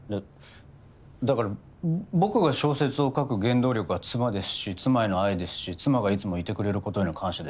だから僕が小説を書く原動力は妻ですし妻への愛ですし妻がいつもいてくれる事への感謝です。